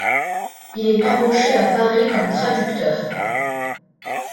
Il est embauché à Paris comme traducteur.